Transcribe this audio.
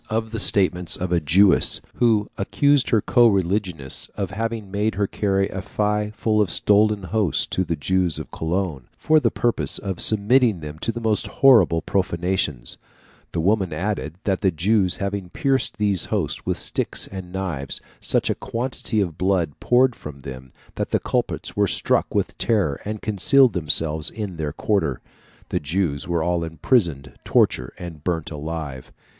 In 1370, the people of Brussels were startled in consequence of the statements of a Jewess, who accused her co religionists of having made her carry a pyx full of stolen hosts to the Jews of Cologne, for the purpose of submitting them to the most horrible profanations. The woman added, that the Jews having pierced these hosts with sticks and knives, such a quantity of blood poured from them that the culprits were struck with terror, and concealed themselves in their quarter. The Jews were all imprisoned, tortured, and burnt alive (Fig.